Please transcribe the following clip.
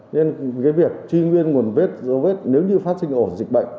nên việc truy nguyên nguồn vết giấu vết nếu như phát sinh ổn dịch bệnh